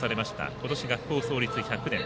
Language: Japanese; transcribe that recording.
今年、学校創立１００年。